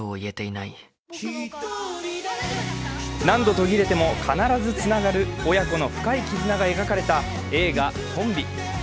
何度途切れても必ずつながる親子の深い絆が描かれた映画「とんび」。